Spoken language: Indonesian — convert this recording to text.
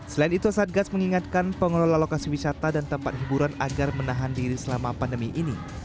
selain itu satgas mengingatkan pengelola lokasi wisata dan tempat hiburan agar menahan diri selama pandemi ini